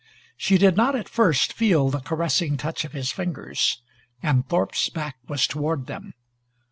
She did not at first feel the caressing touch of his fingers, and Thorpe's back was toward them.